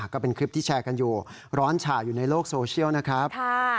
ก็เป็นคลิปที่แชร์กันอยู่ร้อนฉ่าอยู่ในโลกโซเชียลนะครับ